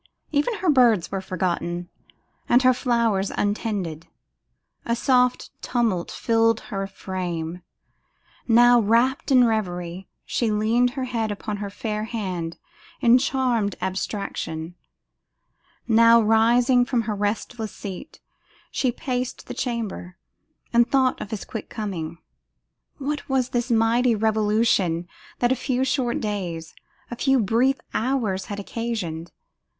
Even her birds were forgotten, and her flowers untended. A soft tumult filled her frame: now rapt in reverie, she leaned her head upon her fair hand in charmed abstraction; now rising from her restless seat, she paced the chamber, and thought of his quick coming. What was this mighty revolution that a few short days, a few brief hours had occasioned?